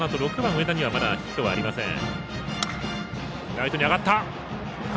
上田にはまだヒットはありません。